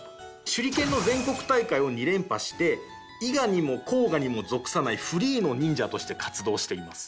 手裏剣の全国大会を２連覇して伊賀にも甲賀にも属さないフリーの忍者として活動しています。